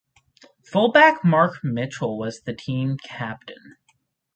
Fullback Mark Mitchell was the team captain.